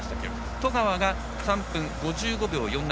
十川が３分５５秒４７。